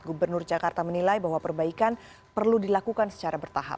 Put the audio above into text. gubernur jakarta menilai bahwa perbaikan perlu dilakukan secara bertahap